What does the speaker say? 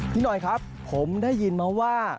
พี่หน่อยครับผมได้ยินมาว่า